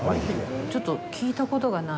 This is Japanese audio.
ちょっと聞いたことがない。